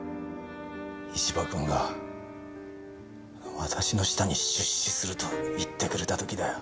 石場君が私の舌に出資すると言ってくれた時だよ。